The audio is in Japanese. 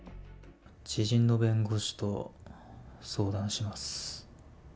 知人の弁護士と相談します。